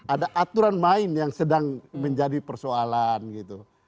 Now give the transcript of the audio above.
ada aturan main yang sedang menjadi persoalan gitu